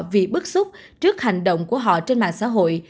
vì bức xúc trước hành động của họ trên mạng xã hội